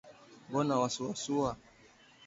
Mbona wasuasua